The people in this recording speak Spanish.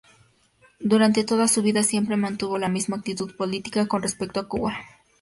Durante toda su vida siempre mantuvo la misma actitud política con respecto a Cuba.